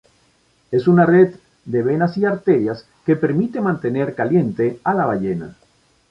Es una red de venas y arterias que permiten mantener caliente a la ballena.